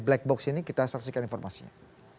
black box ini kita saksikan informasinya